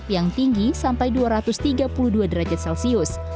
yang tinggi sampai dua ratus tiga puluh dua derajat celcius